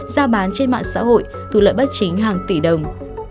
giao bán trên mạng xã hội thu lợi bất chính hàng tỷ đồng